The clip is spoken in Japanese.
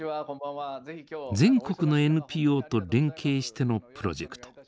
全国のＮＰＯと連携してのプロジェクト。